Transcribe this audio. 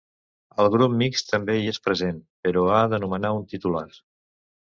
El grup mixt també hi és present, però ha de nomenar un titular.